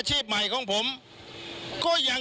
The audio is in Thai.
ชูเว็ดตีแสดหน้า